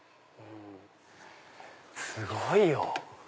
すごいよ。